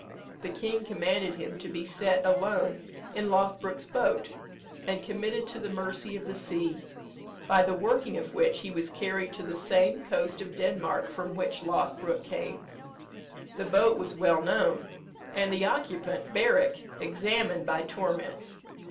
The king commanded him to be set alone in Lothbroke's boat, and committed to the mercy of the sea, by the working of which he was carried to the same coast of Denmark from whence Lothbroke came. The boat was well known, and the occupant, Berick, examined by torments.